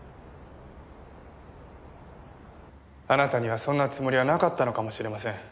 あなたにはそんなつもりはなかったのかもしれません。